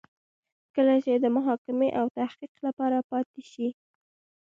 کله چې د محاکمې او تحقیق لپاره پاتې شي.